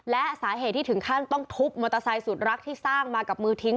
และสาเหตุที่ถึงขั้นต้องทุบมอเตอร์ไซค์สุดรักที่สร้างมากับมือทิ้ง